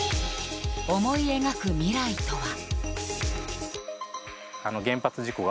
思い描く未来とは。